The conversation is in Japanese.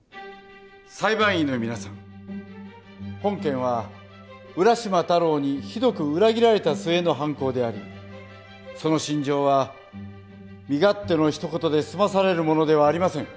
裁判員の皆さん本件は浦島太郎にひどく裏切られた末の犯行でありその心情は身勝手のひと言で済まされるものではありません。